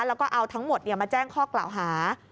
แล้วก็เอาทั้งหมดมาแจ้งข้อกล่าวหา